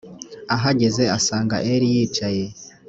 ahageze asanga eli yicaye